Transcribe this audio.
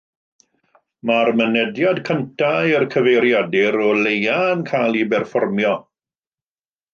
Mae'r mynediad cyntaf i'r cyfeiriadur o leiaf yn cael ei berfformio